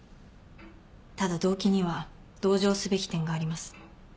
ただ動機には同情すべき点があります。